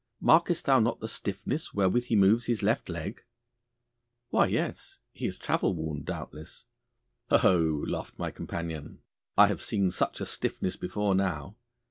Markest thou not the stiffness wherewith he moves his left leg!' 'Why, yes; he is travel worn doubtless.' 'Ho! ho!' laughed my companion. 'I have seen such a stiffness before now.